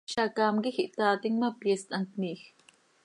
Zacaam quij ihtaatim ma, pyeest hant miij.